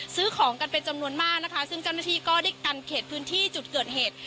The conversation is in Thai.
ซื้อของกันเป็นจำนวนมากนะคะซึ่งเจ้าหน้าที่ก็ได้กันเขตพื้นที่จุดเกิดเหตุ